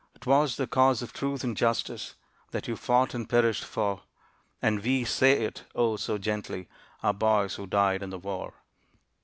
'T was the cause of Truth and Justice That you fought and perished for, And we say it, oh, so gently, "Our boys who died in the war."